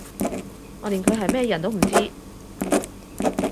我連佢係咩人都唔知